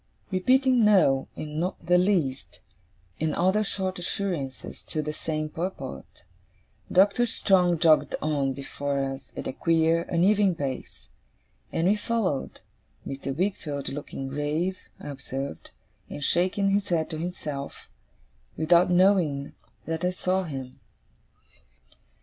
Repeating 'no', and 'not the least', and other short assurances to the same purport, Doctor Strong jogged on before us, at a queer, uneven pace; and we followed: Mr. Wickfield, looking grave, I observed, and shaking his head to himself, without knowing that I saw him.